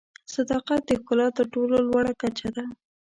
صداقت د ښکلا تر ټولو لوړه کچه ده.